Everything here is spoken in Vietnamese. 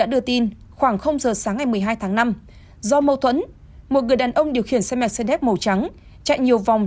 do mâu thuẫn một người đàn ông điều khiển xe mercedes màu trắng chạy nhiều vòng